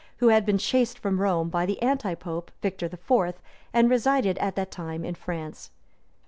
who had been chased from Rome by the antipope, Victor IV., and resided at that time in France.